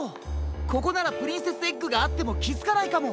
ここならプリンセスエッグがあってもきづかないかも。